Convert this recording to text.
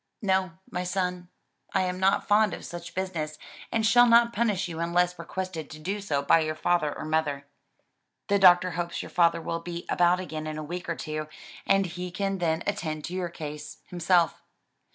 "No, my son, I am not fond of such business and shall not punish you unless requested to do so by your father or mother. The doctor hopes your father will be about again in a week or two, and he can then attend to your case himself."